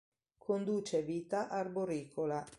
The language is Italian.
Conduce vita arboricola.